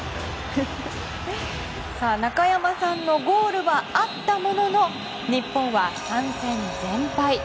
中山さんのゴールはあったものの日本は３戦全敗。